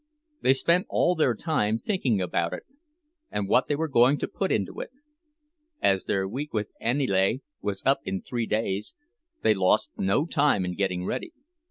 They spent all their time thinking about it, and what they were going to put into it. As their week with Aniele was up in three days, they lost no time in getting ready.